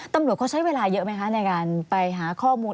ตำรวจเขาใช้เวลาเยอะไหมคะในการไปหาข้อมูล